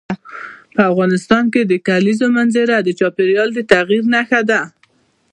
افغانستان کې د کلیزو منظره د چاپېریال د تغیر نښه ده.